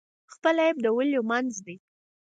خپل عیب د ولیو منځ دی.